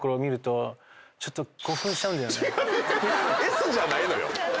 Ｓじゃないのよ！